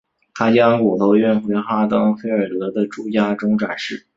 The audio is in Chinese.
他将骨头运回哈登菲尔德的住家中展示。